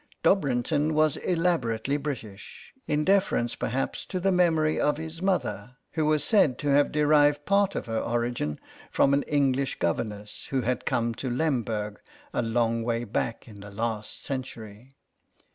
Dobrinton was elaborately British, in deference perhaps to the memory of his mother, who was said to have derived part of her origin from an English governess who had come to Lemberg a long way back in the last century.